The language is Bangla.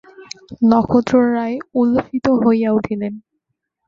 নক্ষত্ররায় উল্লসিত হইয়া উঠিলেন।